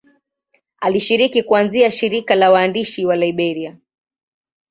Alishiriki kuanzisha shirika la waandishi wa Liberia.